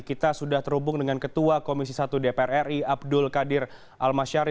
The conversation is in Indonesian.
kita sudah terhubung dengan ketua komisi satu dpr ri abdul qadir almasyari